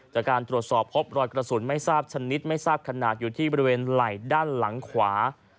จากการตรวจสอบพบรอยกระสุนไม่ทราบชนิดไม่ทราบขนาดอยู่ที่บริเวณไหล่ด้านหลังขวา